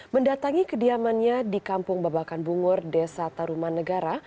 mendatangi kediamannya di kampung babakan bungur desa taruman negara